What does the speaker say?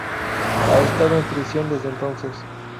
Ha estado en prisión desde entonces.